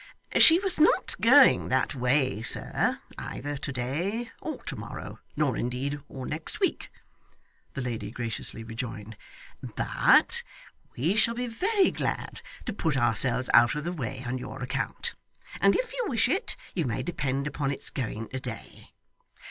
'She was not going that way, sir, either to day, or to morrow, nor indeed all next week,' the lady graciously rejoined, 'but we shall be very glad to put ourselves out of the way on your account, and if you wish it, you may depend upon its going to day.